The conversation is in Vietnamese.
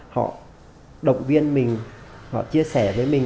họ động viên mình họ chia sẻ với mình